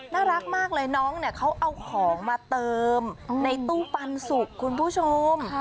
น่ารักมากเลยน้องเนี่ยเขาเอาของมาเติมในตู้ปันสุกคุณผู้ชม